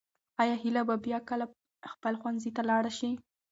آیا هیله به بیا کله خپل ښوونځي ته لاړه شي؟